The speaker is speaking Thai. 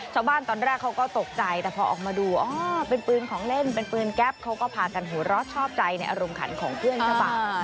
ชาวบ้านตอนแรกเขาก็ตกใจแต่พอออกมาดูอ๋อเป็นปืนของเล่นเป็นปืนแก๊ปเขาก็พากันหัวเราะชอบใจในอารมณ์ขันของเพื่อนเจ้าบ่าว